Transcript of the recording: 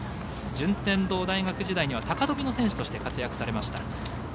順天堂大学時代には高跳びの選手として活躍されました。